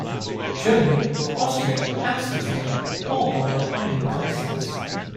Germany, Austria and Switzerland all border on Lake Constance.